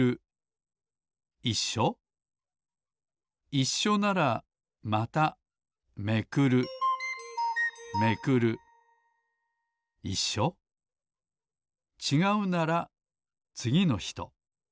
いっしょならまためくるちがうならつぎの人。